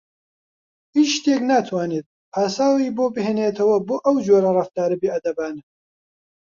هیچ شتێک ناتوانێت پاساوی بۆ بهێنێتەوە بۆ ئەو جۆرە ڕەفتارە بێئەدەبانە.